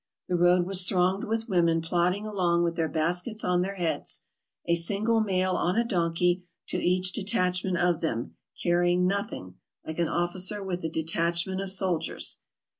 The road was thronged with women plodding along with their baskets on their heads, a single male on a donkey to each detachment of them, carrying nothing, like an officer with a detachment of soldiers.